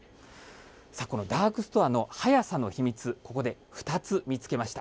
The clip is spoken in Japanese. このダークストアの早さの秘密、ここで２つ見つけました。